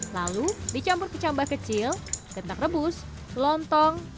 lalu dicampur kecambah kecil tentak rebus lontong